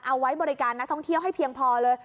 เอาไว้บริการนักท่องเที่ยวให้เพียงพอเลย